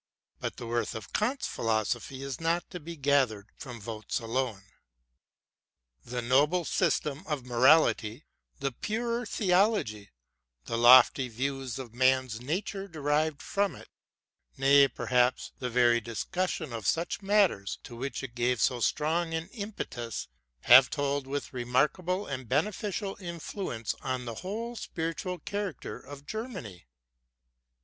But the worth of Kant's Philosophy is not to be gathered from votes alone. The noble system 8 of morality, the purer theology, the lofty yiews of man's nature derived Bpom it ; nay, perhaps, the very discussion of Such rial t'T , to which it gave so strong an impetus, hare told with remarkable and beneficial influence on the whole spiritual character of Germany.